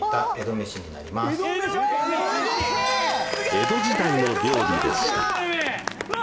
江戸時代の料理でしたうわ！